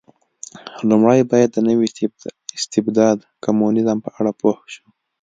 لومړی باید د نوي استبداد کمونېزم په اړه پوه شو.